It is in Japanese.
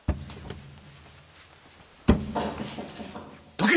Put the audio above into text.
・どけ！